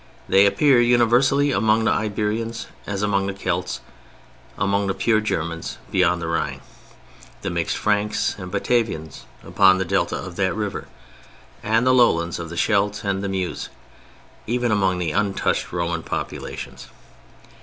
They appear universally among the Iberians as among the Celts, among the pure Germans beyond the Rhine, the mixed Franks and Batavians upon the delta of that river, and the lowlands of the Scheldt and the Meuse; even among the untouched Roman populations.